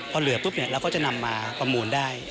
พอเหลือปุ๊บเราก็จะนำมาประมูลได้